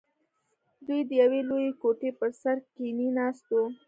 دوى د يوې لويې کوټې په بر سر کښې ناست وو.